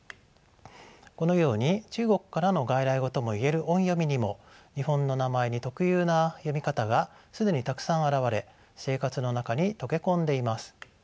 このように中国からの外来語とも言える音読みにも日本の名前に特有な読み方が既にたくさん現れ生活の中に溶け込んでいます。